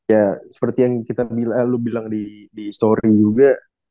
ya seperti yang lo bilang di story juga